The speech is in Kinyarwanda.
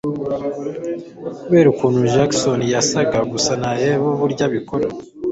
kubera ukuntu Jackson yasaga gusa nareba uburyo abikora